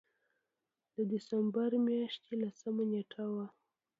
د دسمبر مياشتې لسمه نېټه وه